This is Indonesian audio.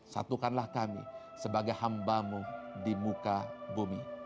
satukanlah kami sebagai hambamu di muka bumi